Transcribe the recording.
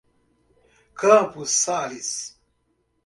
Campos Sales